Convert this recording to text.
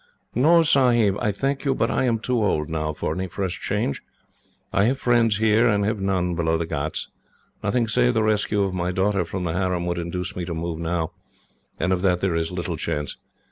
"No, Sahib. I thank you, but I am too old, now, for any fresh change. I have friends here, and have none below the ghauts. Nothing save the rescue of my daughter from the harem would induce me to move now, and of that there is little chance.